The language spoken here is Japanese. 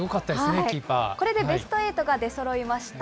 これでベストエイトが出そろいました。